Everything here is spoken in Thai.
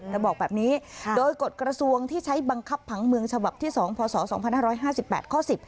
บอกแบบนี้โดยกฎกระทรวงที่ใช้บังคับผังเมืองฉบับที่๒พศ๒๕๕๘ข้อ๑๐